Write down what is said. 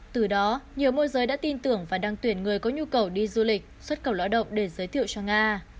từ đó nhiều môi giới đã tin tưởng và đang tuyển người có nhu cầu đi du lịch xuất khẩu lão động để giới thiệu cho nga